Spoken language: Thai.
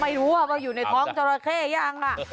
ไม่รู้ว่าอยู่ในท้องจราเข้ยังล่ะ